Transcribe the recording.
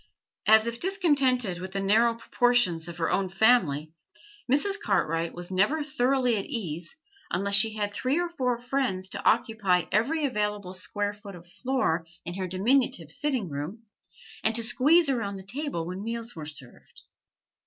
As if discontented with the narrow proportions of her own family, Mrs. Cartwright was never thoroughly at ease unless she had three or four friends to occupy every available square foot of floor in her diminutive sitting room, and to squeeze around the table when meals were served.